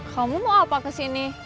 kamu mau apa kesini